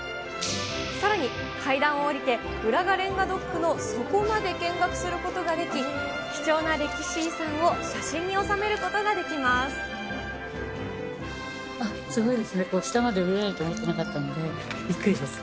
さらに階段を下りて、浦賀レンガドックの底まで見学することができ、貴重な歴史遺産をすごいですね、下まで下りられると思ってなかったんで、びっくりです。